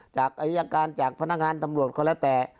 จากอิยาการจากพนักงานตำรวจคนละแต